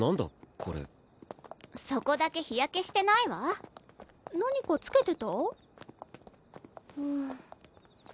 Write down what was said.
これそこだけ日焼けしてないわ何かつけてた？